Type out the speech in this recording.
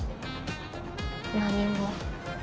何も。